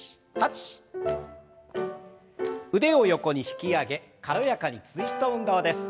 腕を横に引き上げ軽やかにツイスト運動です。